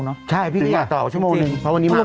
สอบเหรอพี่หนังต่อหนึ่งครั้งชั่วโมง